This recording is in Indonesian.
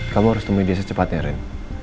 kamu harus temui dia secepatnya ren